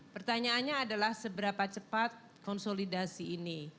pertanyaannya adalah seberapa cepat konsolidasi ini